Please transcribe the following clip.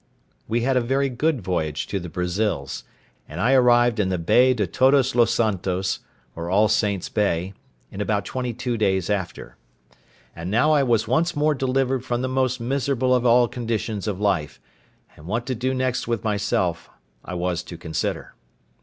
We had a very good voyage to the Brazils, and I arrived in the Bay de Todos los Santos, or All Saints' Bay, in about twenty two days after. And now I was once more delivered from the most miserable of all conditions of life; and what to do next with myself I was to consider.